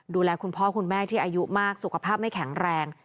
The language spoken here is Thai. ดูแลคุณพ่อคุณแม่ที่อายุมากสุขภาพไม่แข็งแรง